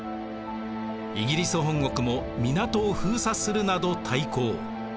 イギリス本国も港を封鎖するなど対抗。